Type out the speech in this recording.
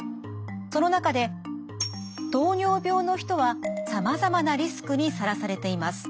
その中で糖尿病の人はさまざまなリスクにさらされています。